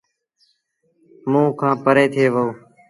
موݩ کآݩ پري ٿئي وهو۔